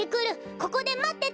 ここでまってて。